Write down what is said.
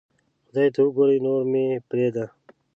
خدای ته اوګوره نو مې پریدا